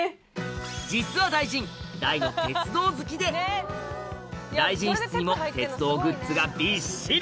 実は大臣大の鉄道好きで大臣室にも鉄道グッズがびっしり！